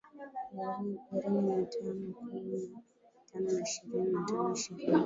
irini na tano kumi na tano na ishirini na tano ishirini